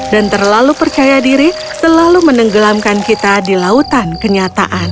dan terlalu percaya diri selalu menenggelamkan kita di lautan kenyataan